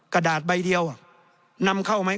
กระดาษใบเดียวนำเข้าไหม